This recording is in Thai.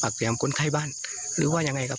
ปากเสียงคนไข้บ้านหรือว่ายังไงครับ